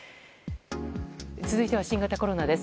続いては新型コロナです。